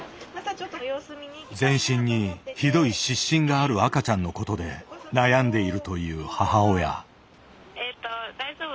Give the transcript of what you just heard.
全身にひどい湿疹がある赤ちゃんのことで悩んでいるという母親。